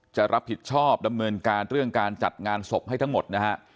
จะรับผิดชอบดำเนินการเรื่องการจัดงานศพให้ทั้งหมดนะฮะ